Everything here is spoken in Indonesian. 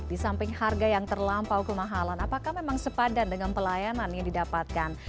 di samping harga yang terlampau kemahalan apakah memang sepadan dengan pelayanan yang didapatkan